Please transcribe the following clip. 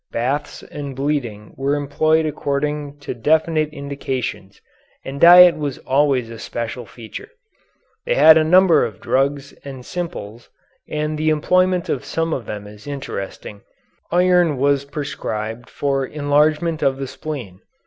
Baths and bleeding were employed according to definite indications and diet was always a special feature. They had a number of drugs and simples, and the employment of some of them is interesting. Iron was prescribed for enlargement of the spleen.